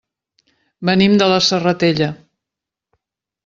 Venim de la Serratella.